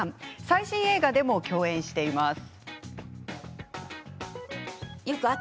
最新映画でも共演しています。